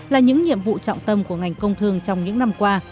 là những nhiệm vụ trọng tâm của ngành công thương trong những năm qua